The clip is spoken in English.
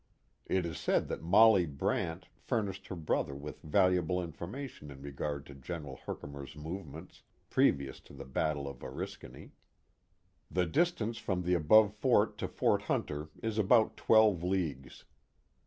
It is said that Molly Brant furnished her brother with valuable information in regard to General Herkimer's movements previous to the battle of Oriskany. The distance from the above fort to Fort Hunter is about twelve leagues.